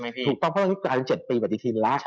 ถูกต้องเพราะว่า๗ปีปฏิทินละ